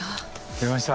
来ました。